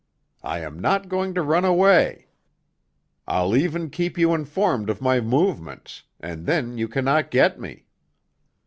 I am not going to run away! I'll even keep you informed of my movements—and then you cannot get me.